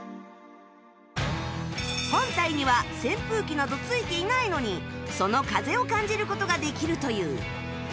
本体には扇風機などついていないのにその風を感じる事ができるという